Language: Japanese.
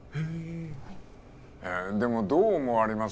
はいでもどう思われます？